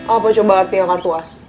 apa coba arti yang kartu as